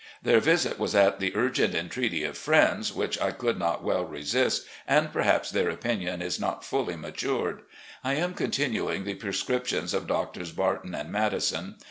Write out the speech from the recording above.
Their visit was at the urgent entreaty of friends, which I could not well resist, and perhaps their opinion is not fully matured. I am con tinuing the prescriptions of Doctors Barton and Madison.